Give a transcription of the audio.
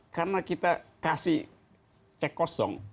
karena kita kasih cek kosong